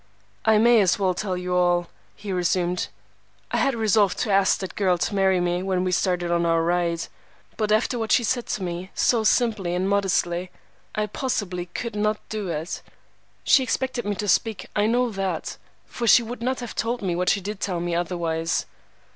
"I may as well tell you all," he resumed. "I had resolved to ask that girl to marry me when we started on our ride, but after what she said to me so simply and modestly, I positively could not do it. She expected me to speak, I know that, for she would not have told me what she did tell me, otherwise."